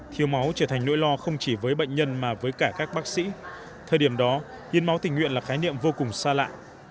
thiếu máu trở thành nỗi lo không chỉ với bệnh nhân mà với cả các bác sĩ thời điểm đó hiến máu tình nguyện là khái niệm vô cùng xa lạ